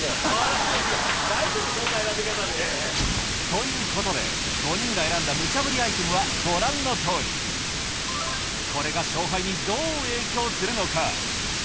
ということで５人が選んだムチャぶりアイテムはご覧の通りこれが勝敗にどう影響するのか？